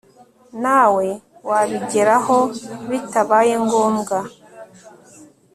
nawe wabigeraho bitabaye ngombwa